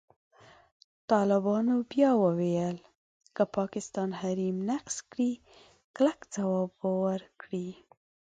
طالبان بیا وویل، که پاکستان حریم نقض کړي، کلک ځواب به ورکړي.